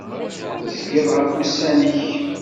Tezgiḍ ɣef ussan-ik.